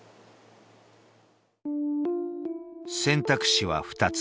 選択肢は２つ。